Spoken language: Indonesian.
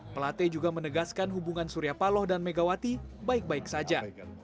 pelate juga menegaskan hubungan surya paloh dan megawati baik baik saja